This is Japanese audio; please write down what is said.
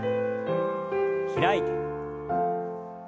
開いて。